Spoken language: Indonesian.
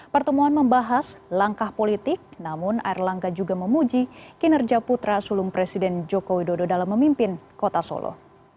pertemuan membahas langkah politik namun air langga juga memuji kinerja putra sulung presiden joko widodo dalam memimpin kota solo